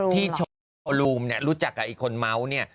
ที่โชว์รูมเนี่ยรู้จักกับอีกคนเมาส์เนี่ย